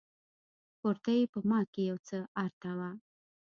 کورتۍ په ما کښې يو څه ارته وه.